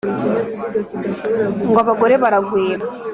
ngo abagore baragwira